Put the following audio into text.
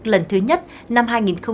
lần thứ nhất năm hai nghìn một mươi tám